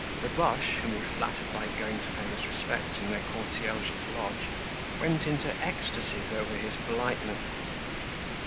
The Boches, whom he flattered by going to pay his respects in their concierge's lodge, went into ecstasies over his politeness.